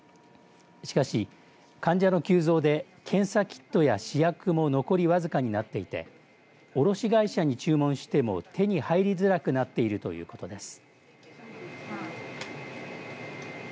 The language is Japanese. しかし、患者の急増で検査キットや試薬も残りわずかになっていて卸会社に注文しても手に入りづらくなっているということです。